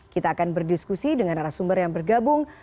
kita akan berdiskusi dengan rasumber yang bergabung